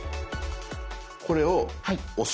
これを押す。